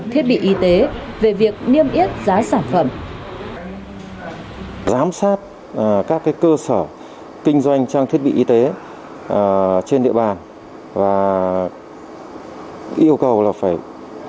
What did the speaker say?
thiết bị y tế về việc niêm yết giá sản phẩm